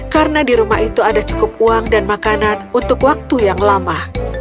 karena di rumah itu ada cukup uang dan makanan untuk waktu yang lama